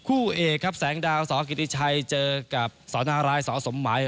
คู่เอกครับแสงดาวสกิติชัยเจอกับสนรายสอสมหมาย